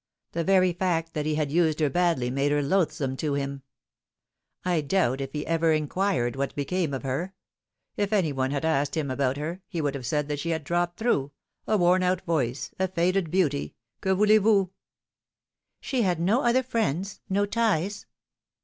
The very fact that he had used her badly made her loathsome to him. I doubt if he ever inquired what became of her. If any one had asked him about her, he would have said that she had dropped through a worn out voice, a faded beauty que voulez vous .'"" She had no other friends mo ties